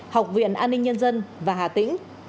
học viện an ninh nhân dân và hà tĩnh